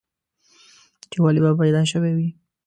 چې ولې به پيدا شوی وې؟